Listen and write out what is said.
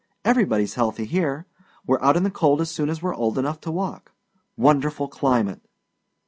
Everybody's healthy here. We're out in the cold as soon as we're old enough to walk. Wonderful climate!"